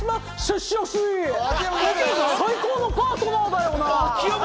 接しやすい、最高のパートナーだよな。